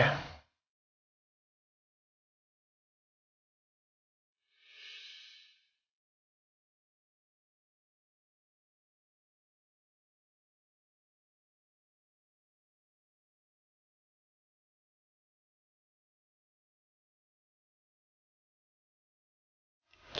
terima kasih mas